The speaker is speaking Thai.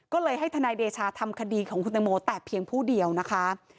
ก็เลยให้ทนายเดชาทำคดีของคุณตังโมแต่เพียงผู้เดียวนะคะ